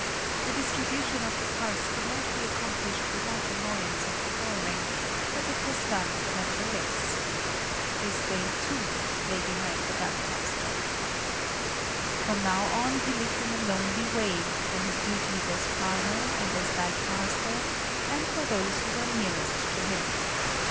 The distribution of the parts could not be accomplished without annoyance and quarreling; but it was done, nevertheless. This day, too, lay behind the dikemaster. From now on he lived in a lonely way for his duties as farmer and as dikemaster and for those who were nearest to him.